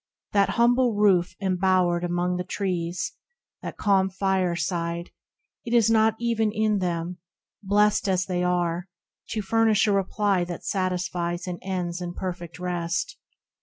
That humble Roof embowered among the trees, That calm fireside, it is not even in them, Blest as they are, to furnish a reply That satisfies and ends in perfect rest.